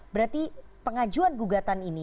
berarti pengajuan gugatan ini